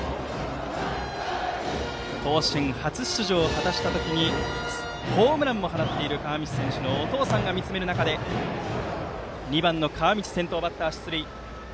甲子園初出場を果たした時にホームランも放っているお父さんが見つめる中で２番の川道、先頭バッターで出塁。